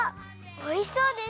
おいしそうです！